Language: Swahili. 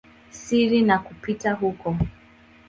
siri na kupita huko.